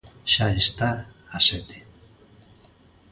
Xa está a sete.